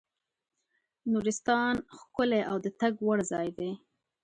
نورستان ښکلی او د تګ وړ ځای دی.